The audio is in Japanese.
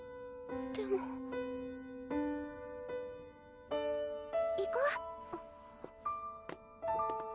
でも行こう？